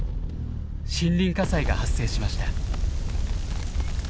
森林火災が発生しました。